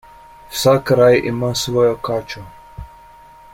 Vsak raj ima svojo kačo.